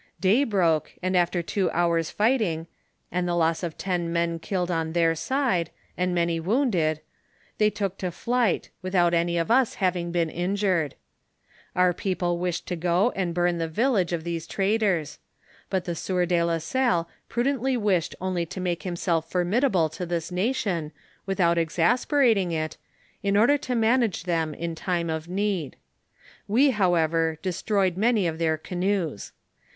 Day broke, and after two hours' fighting, and the loss of ten men killed on their side, and many wounded, they took to flight, without any of us having been injured. Our people wished to go and bum the village of these traitors ; but the sieur de la Salle pru dently wished only to make himself formidable to this nation, without exasperating it, in order to manage them in time of need. We, however, destroyed many of their canoes.